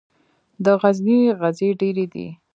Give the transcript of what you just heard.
د غزني غزې ډیرې دي